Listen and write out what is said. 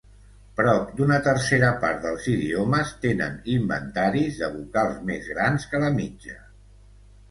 Prop d"una tercera part dels idiomes tenen inventaris de vocals més grans que la mitja.